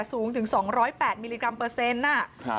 สูงถึง๒๐๘มิลลิกรัมเปอร์เซ็นต์